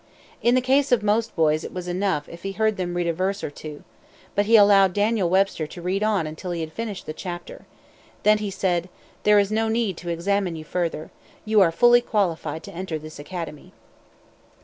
In the case of most boys it was enough if he heard them read a verse or two. But he allowed Daniel Webster to read on until he had finished the chapter. Then he said: "There is no need to examine you further. You are fully qualified to enter this academy."